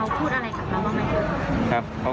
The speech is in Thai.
หลังคุณหลักเค้าคืออะไรกับเราบ้างไงเขา